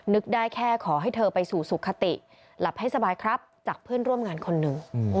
นึกได้แค่ขอให้เธอไปสู่สุขติหลับให้สบายครับจากเพื่อนร่วมงานคนหนึ่ง